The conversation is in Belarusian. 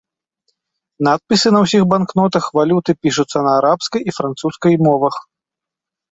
Надпісы на ўсіх банкнотах валюты пішуцца на арабскай і французскай мовах.